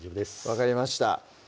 分かりました